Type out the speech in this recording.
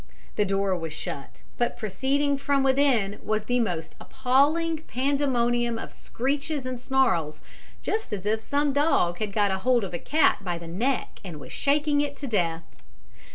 The door was shut, but proceeding from within was the most appalling pandemonium of screeches and snarls, just as if some dog had got hold of a cat by the neck and was shaking it to death.